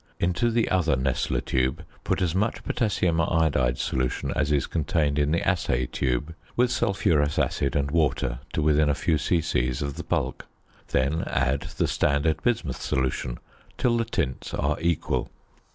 Into the other Nessler tube put as much potassium iodide solution as is contained in the assay tube, with sulphurous acid and water to within a few c.c. of the bulk. Then add the standard bismuth solution till the tints are equal.